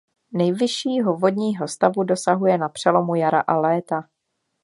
Nejvyššího vodního stavu dosahuje na přelomu jara a léta.